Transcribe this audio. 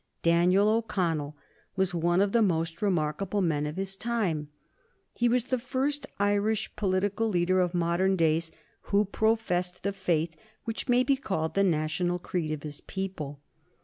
Daniel O'Connell was one of the most remarkable men of his time. He was the first Irish political leader of modern days who professed the faith which may be called the national creed of his people.